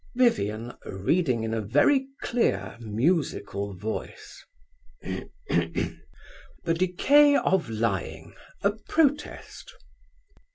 VIVIAN (reading in a very clear, musical voice). THE DECAY OF LYING: A PROTEST.